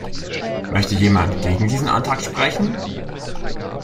Möchte jemand gegen diesen Antrag sprechen?